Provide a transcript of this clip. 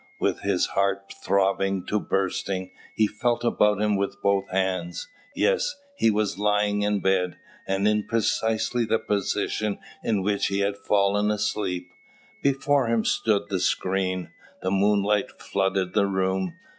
With his heart throbbing to bursting, he felt about him with both hands. Yes, he was lying in bed, and in precisely the position in which he had fallen asleep. Before him stood the screen. The moonlight flooded the room.